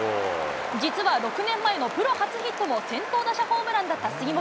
実は６年前のプロ初ヒットも、先頭打者ホームランだった杉本。